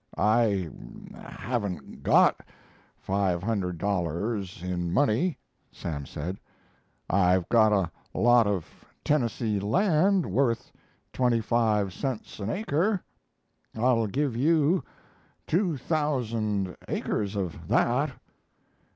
"I haven't got five hundred dollars in money," Sam said; "I've got a lot of Tennessee land worth twenty five cents an acre; I'll give you two thousand acres of that."